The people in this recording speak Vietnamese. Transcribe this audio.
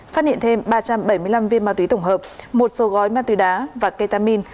phát hiện thêm ba trăm bảy mươi năm viên ma túy tổng hợp một số gói ma túy đá và ketamin